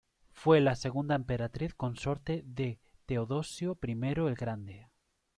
Fue la segunda emperatriz consorte de Teodosio I el Grande.